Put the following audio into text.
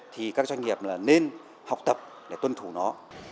thì các doanh nghiệp là nên học tập để tuân thủ nó